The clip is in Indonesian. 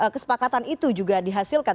kesepakatan itu juga dihasilkan